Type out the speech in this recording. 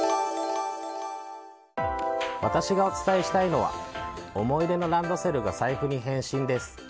私がお伝えしたいのは思い出のランドセルが財布に変身です。